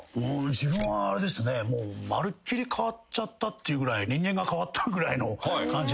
自分はまるっきり変わっちゃったっていうぐらい人間が変わったぐらいの感じなんですよね。